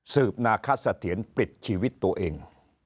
นาคสะเทียนปิดชีวิตตัวเอง